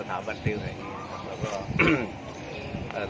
ถ้าไม่ได้ขออนุญาตมันคือจะมีโทษ